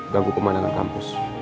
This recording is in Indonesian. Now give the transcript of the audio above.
ganggu kemana gak kampus